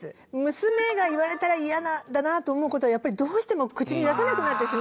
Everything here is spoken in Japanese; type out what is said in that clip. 娘が言われたら嫌だなと思う事はやっぱりどうしても口に出せなくなってしまったので。